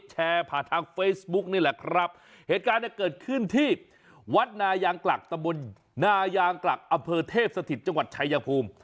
แชร์ผ่านทางเฟซบุ๊กนี่แหละครับเหตุการณ์เนี่ยเกิดขึ้นที่วัดนายางกลักตะบนนายางกลักอำเภอเทพสถิตจังหวัดชายภูมิ